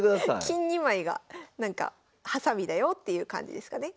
金２枚がハサミだよっていう感じですかね。